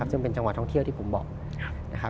ซึ่งเป็นจังหวัดท่องเที่ยวที่ผมบอกนะครับ